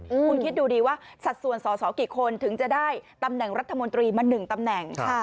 คุณคิดดูดีว่าสัดส่วนสอสอกี่คนถึงจะได้ตำแหน่งรัฐมนตรีมาหนึ่งตำแหน่งค่ะ